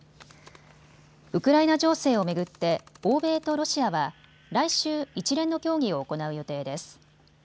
ウクライナ情勢を巡って欧米とロシアは来週、一連の協議を行う予定です。